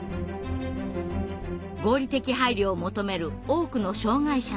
合理的配慮を求める多くの障害者の声。